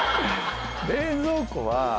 冷蔵庫は。